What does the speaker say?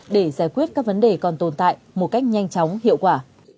để giải quyết các vấn đề còn tồn tại một cách nhanh chóng hiệu quả